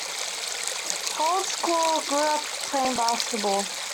Holdsclaw grew up playing basketball.